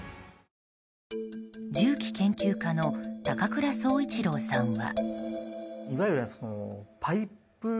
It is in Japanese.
銃器研究家の高倉総一郎さんは。